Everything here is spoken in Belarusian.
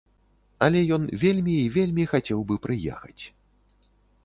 Але ён вельмі і вельмі хацеў бы прыехаць.